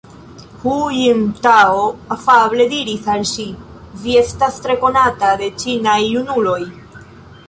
Hu Jintao afable diris al ŝi: Vi estas tre konata de ĉinaj junuloj.